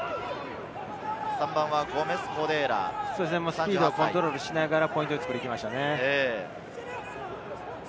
スピードをコントロールしながら、ポイントを作っていきましたね。